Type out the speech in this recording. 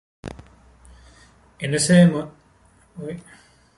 En ese entonces, Jorge realizaba el servicio militar en City Bell.